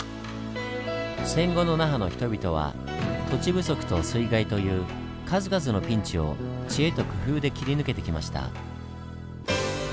戦後の那覇の人々は土地不足と水害という数々のピンチを知恵と工夫で切り抜けてきました。